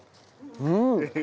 うん！